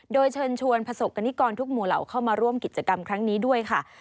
โดยเชิญชวนประสบกรณิกรทุกหมู่เหล่าเข้ามาร่วมกิจกรรมครั้งนี้ด้วยค่ะ